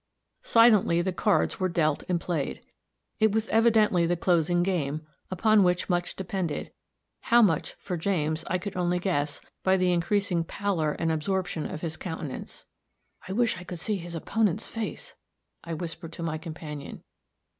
Silently the cards were dealt and played. It was evidently the closing game, upon which much depended how much, for James, I could only guess by the increasing pallor and absorption of his countenance. "I wish I could see his opponent's face," I whispered to my companion.